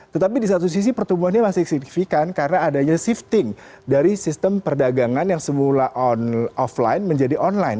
tetapi di satu sisi pertumbuhannya masih signifikan karena adanya shifting dari sistem perdagangan yang semula offline menjadi online